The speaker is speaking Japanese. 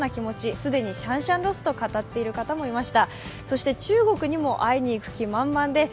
既にシャンシャンロスと語っている方もいました。